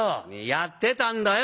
「やってたんだよ